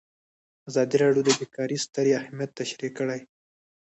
ازادي راډیو د بیکاري ستر اهميت تشریح کړی.